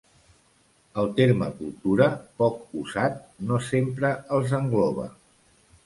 El terme cultura, poc usat, no sempre els engloba.